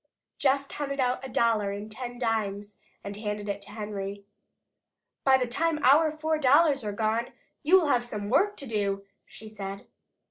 Jess counted out a dollar in ten dimes and handed it to Henry. "By the time our four dollars are gone, you will have some work to do," she said.